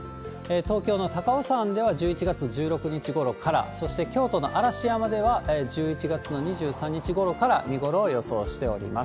東京の高尾山では１１月１６日ごろから、そして京都の嵐山では１１月の２３日ごろから見頃を予想しております。